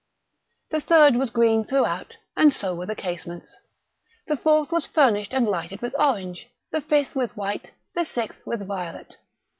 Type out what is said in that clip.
The third was green throughout, and so were the casements. The fourth was furnished and lighted with orange—the fifth with white—the sixth with violet.